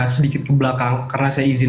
sedikit kebelakang karena saya izin